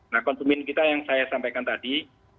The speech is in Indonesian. nah konsumen kita yang saya sampaikan tadi